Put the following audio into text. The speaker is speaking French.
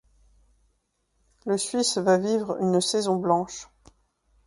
Le Suisse va vivre une saison blanche.